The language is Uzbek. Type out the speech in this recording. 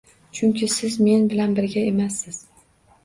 Chunki siz men bilan birga emassiz.